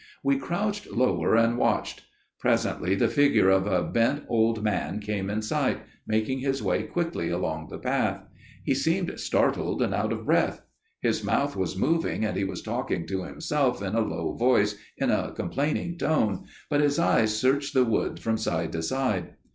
We crouched lower and watched. Presently the figure of a bent old man came in sight, making his way quickly along the path. He seemed startled and out of breath. His mouth was moving, and he was talking to himself in a low voice in a complaining tone, but his eyes searched the wood from side to side.